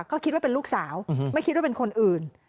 ก็คิดว่าเป็นลูกสาวไม่คิดว่าเป็นคนอื่น